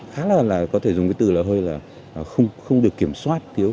khá là là có thể dùng cái từ là hơi là không được kiểm soát